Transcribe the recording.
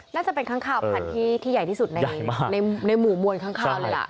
น่าจะเป็นค้างคาวพันธุ์ที่ใหญ่ที่สุดในหมู่มวลข้างคาวเลยล่ะ